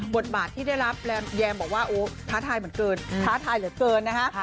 บทบาทที่ได้รับแยมบอกว่าโอ้ท้าทายเหมือนเกินท้าทายเหลือเกินนะคะ